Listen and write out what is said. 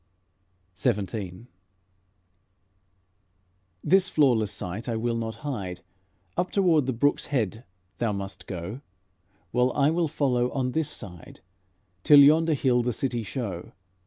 XVII "This flawless sight I will not hide; Up toward the brook's head thou must go, While I will follow on this side, Till yonder hill the city show."